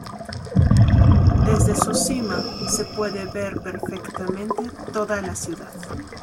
Desde su cima se puede ver perfectamente toda la ciudad.